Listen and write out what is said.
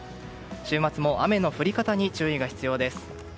週末も雨の降り方に注意が必要です。